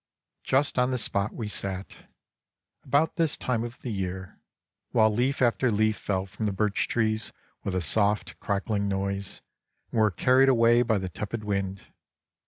Just on this spot we sat — about this time of the year — while leaf after leaf fell from the birch trees with a soft crackling noise and were carried away by the tepid wind.